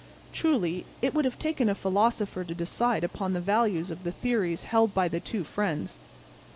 Truly it would have taken a philosopher to decide upon the values of the theories held by the two friends.